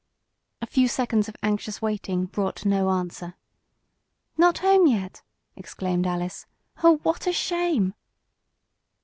A few seconds of anxious waiting brought no answer. "Not home yet!" exclaimed Alice. "Oh, what a shame."